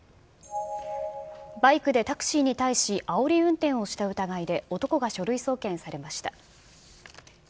バイクでタクシーに対し、あおり運転をした疑いで、男が書類送検されました。